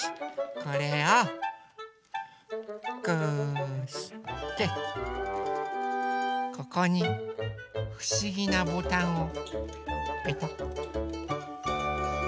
これをこうしてここにふしぎなボタンをペタッペタッ。